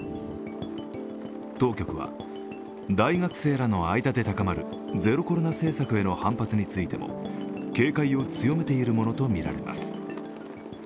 当局は大学生らの間で高まるゼロコロナ政策への反発についても警戒を強めているものとみられます。